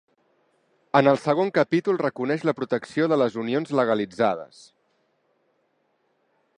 En el segon capítol reconeix la protecció de les unions legalitzades.